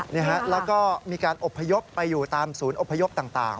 แล้วก็มีการอบพยพไปอยู่ตามศูนย์อพยพต่าง